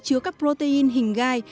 chứa các protein hình gai